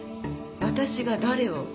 私が誰を？